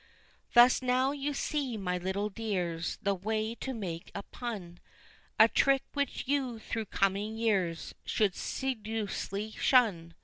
Thus now you see, my little dears, the way to make a pun; A trick which you, through coming years, should sedulously shun.